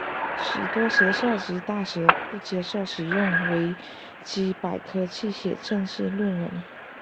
许多学校及大学不接受使用维基百科去写正式论文。